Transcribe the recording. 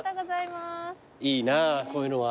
いいなこういうのは。